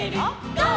ゴー！」